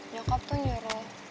nyokap tuh nyuruh